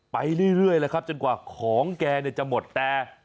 ไปเรื่อยเลยครับจนกว่าของแกเนี่ยจะหมดแต่